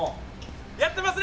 やってますね！